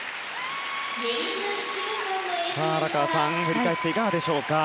荒川さん、演技を振り返っていかがでしょうか。